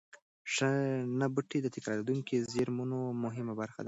شنه بوټي د تکرارېدونکو زېرمونو مهمه برخه ده.